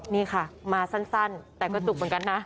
นี่ค่ะมาสั้นแต่ก็จุกเหมือนกันนะ